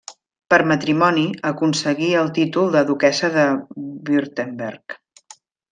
Per matrimoni aconseguí el títol de duquessa de Württemberg.